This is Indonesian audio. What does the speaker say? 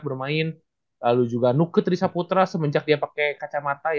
bing juga bisa melihat